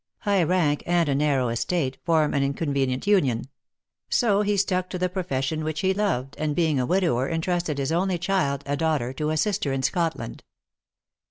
High rank, and a narrow estate, form an inconvenient union ; so he stuck to the profession which he loved, and, being a widower, entrusted his only child, a daughter, to a sister in Scotland.